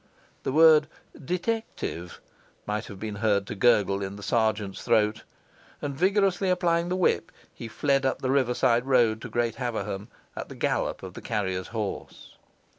The word 'detective' might have been heard to gurgle in the sergeant's throat; and vigorously applying the whip, he fled up the riverside road to Great Haverham, at the gallop of the carrier's horse.